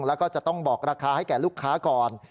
แล้วก็จะต้องบอกราคาให้แก่ลูกค้าก่อน